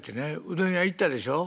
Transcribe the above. うどん屋行ったでしょ？